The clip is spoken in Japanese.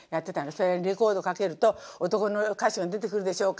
それでレコードかけると「男の歌手が出てくるでしょうか？